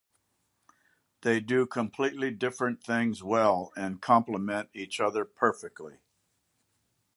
They do completely different things well and complement each other perfectly.